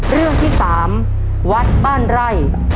เรื่องที่๓วัดบ้านไร่